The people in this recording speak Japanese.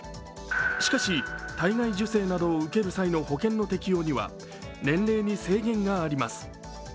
しかし体外受精などを受ける際の保険の適用には年齢に制限があります。